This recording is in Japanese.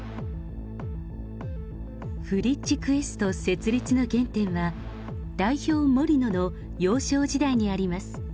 フリッチクエスト設立の原点は、代表森野の幼少時代にあります。